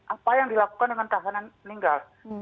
apa yang dilakukan dengan tahanan meninggal